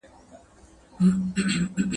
• د خره محبت يا گوز دئ، يا لغته.